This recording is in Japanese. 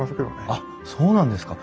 あっそうなんですか。